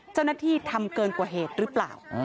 เจ้าหน้าที่ทำเกินกว่าเหตุหรือเปล่า